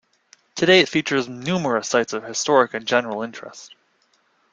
Today, it features numerous sites of historic and general interest.